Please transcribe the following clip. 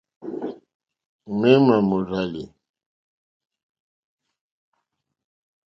Ŋměmà mòrzàlì.